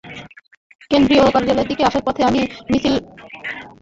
কেন্দ্রীয় কার্যালয়ের দিকে আসার পথে একটি মিছিল ছত্রভঙ্গ করে দেয় পুলিশ।